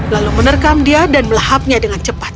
lalu menerkam dia dan melahapnya dengan cepat